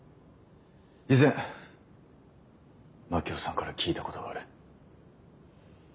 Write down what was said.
以前真樹夫さんから聞いたことがある。